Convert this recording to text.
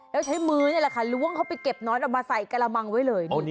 แล้วใช้มือนี่แหละค่ะล้วงเข้าไปเก็บน้อนออกมาใส่กระมังไว้เลย